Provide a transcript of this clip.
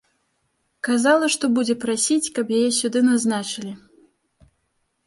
Казала, што будзе прасіць, каб яе сюды назначылі.